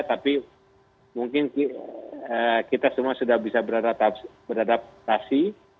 tapi mungkin kita semua sudah bisa beradaptasi